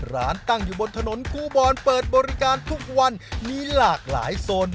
ร้านตั้งอยู่บนถนนกูบอนเปิดบริการทุกวันมีหลากหลายโซน